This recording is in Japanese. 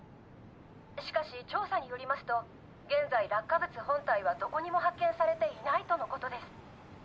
しかし調査によりますと現在落下物本体はどこにも発見されていないとのことです。